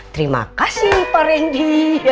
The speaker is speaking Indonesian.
terima kasih pak rendy